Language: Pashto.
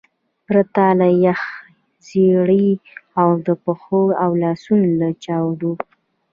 پرته له یخه ژیړي او د پښو او لاسو له چاودو.